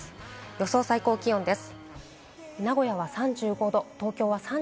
予想最高気温です。